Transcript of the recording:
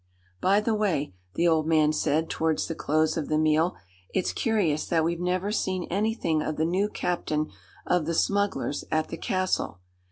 "By the way," the old man said towards the close of the meal, "it's curious that we've never seen anything of the new captain of the smugglers at the castle.